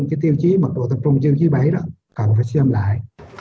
cái tiêu chí mật độ tập trung tiêu chí bấy đó cần phải xem lại